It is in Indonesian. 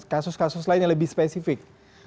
kasus kasus lain yang lebih spesifik